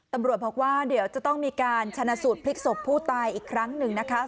ตำรวจบอกว่าเดี๋ยวจะต้องมีการชนะสูตรพลิกศพผู้ตายอีกครั้งหนึ่งนะคะ